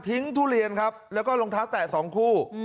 ทิ้งทุเรียนครับแล้วก็ลงท้าแตะสองคู่